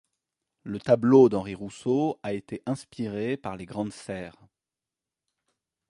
Le tableau d'Henri Rousseau a été inspiré par les grandes serres.